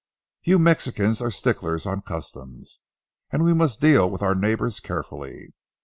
You Mexicans are sticklers on customs, and we must deal with our neighbors carefully.